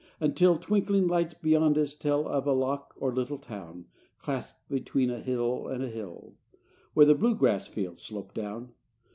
Until Twinkling lights beyond us tell Of a lock or little town Clasped between a hill and hill, Where the bluegrass fields slope down.